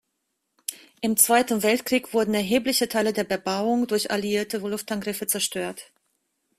Im Zweiten Weltkrieg wurden erhebliche Teile der Bebauung durch alliierte Luftangriffe zerstört.